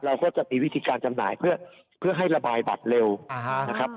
เราก็จะมีวิธีการจำหน่ายเพื่อให้ระบายบัตรเร็วนะครับ